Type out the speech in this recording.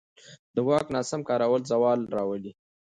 د واک ناسم کارول زوال راولي